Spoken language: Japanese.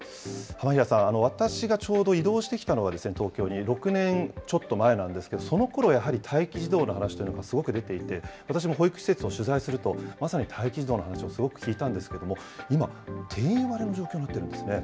浜平さん、私がちょうど異動してきたのはですね、東京に、６年ちょっと前なんですけど、そのころ、やはり待機児童の話というのはすごく出ていて、私も保育施設を取材すると、まさに待機児童の話をすごく聞いたんですけれども、今、定員割れの状況になっているんですね。